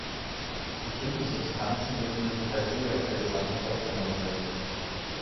Bestimmte Substanzen dürfen nicht per se aus der Gesamtheit ausgenommen werden.